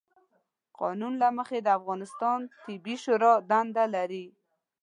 قانون له مخې، د افغانستان طبي شورا دنده لري،